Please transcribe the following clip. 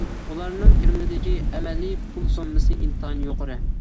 ئۇلارنىڭ كىرىمىدىكى ئەمەلىي پۇل سوممىسى ئىنتايىن يۇقىرى.